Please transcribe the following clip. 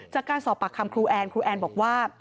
จากการสอบปากคำครูแอนครูแอนบอกว่า